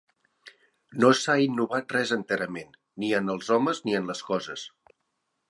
No s'ha innovat res enterament, ni en els homes, ni en les coses.